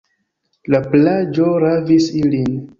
La plaĝo ravis ilin.